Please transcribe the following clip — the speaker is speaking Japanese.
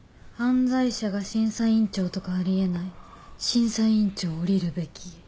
「犯罪者が審査委員長とかありえない」「審査委員長おりるべき」